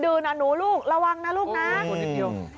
ดึงนะหนูลูกระวังนะลูกนะ